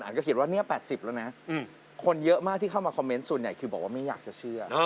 อาทิตย์ก็คิดว่าเนี่ย๘๐แล้วนะคนเยอะมากที่เข้ามาความเม็ดส่วนใหญ่คือบอกว่าไม่อยากจะเชื่อ